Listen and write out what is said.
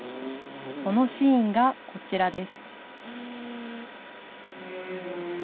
そのシーンがこちらです。